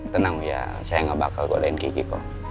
tenang ya saya gak bakal godain gigi kok